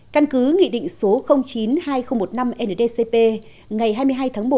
căn cứ nghị định số chín hai nghìn một mươi năm ndcp ngày hai mươi hai tháng một